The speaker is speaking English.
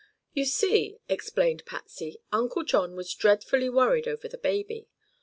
"You see," explained Patsy, "Uncle John was dreadfully worried over the baby.